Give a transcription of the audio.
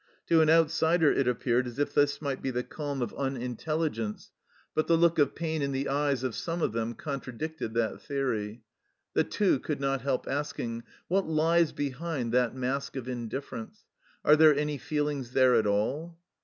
To an outsider it appeared as if it might be the calm of un IN THE THICK OF A BATTLE 31 intelligence, but the look of pain in the eyes of some of them contradicted that theory. The Two could not help asking, " What lies behind that mask of indifference ? Are there any feelings there at all